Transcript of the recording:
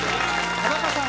田中さん